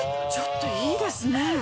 ちょっといいですね。